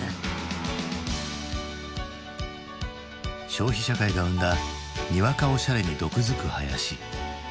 消費社会が生んだにわかおしゃれに毒づく林。